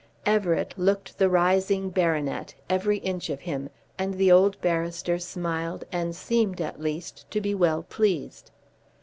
Everett looked the rising baronet, every inch of him, and the old barrister smiled and seemed, at least, to be well pleased.